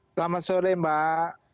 selamat sore mbak